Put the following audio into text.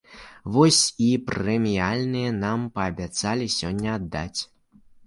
Вось і прэміяльныя нам паабяцалі сёння аддаць.